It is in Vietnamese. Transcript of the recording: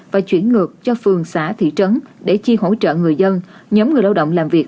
và chuyển ngược cho phường xã thị trấn để chi hỗ trợ người dân nhóm người lao động làm việc